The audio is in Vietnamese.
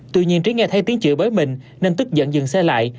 tuy nhiên trí nghe thấy tiếng chửi bới mình nên tức giận dừng xe lại